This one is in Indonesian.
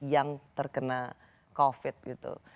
yang terkena covid gitu